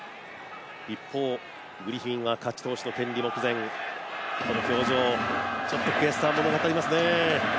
一方、グリフィンは勝ち投手の権利目前この表情、ちょっと悔しさを物語りますね。